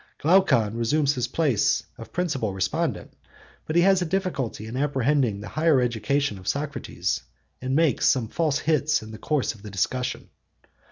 Glaucon resumes his place of principal respondent; but he has a difficulty in apprehending the higher education of Socrates, and makes some false hits in the course of the discussion.